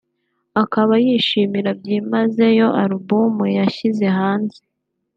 akaba yishimira byimazeyo Alubumu yashyize hanze